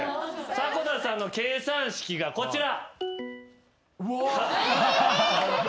迫田さんの計算式がこちら。